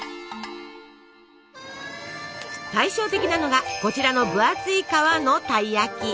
対照的なのがこちらの分厚い皮のたい焼き。